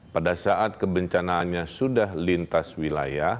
pada saat kebencanaannya sudah lintas wilayah